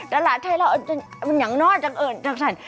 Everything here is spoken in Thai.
ตลาดไทยเรามันอย่างน้อยจังเอิญจังสั่น